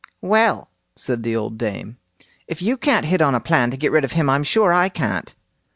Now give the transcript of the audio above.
"Well", said the old dame, "if you can't hit on a plan to get rid of him, I'm sure I can't."